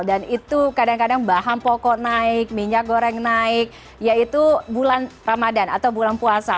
dan itu kadang kadang bahan pokok naik minyak goreng naik yaitu bulan ramadhan atau bulan puasa